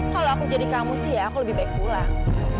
kalau aku jadi kamu sih ya aku lebih baik pulang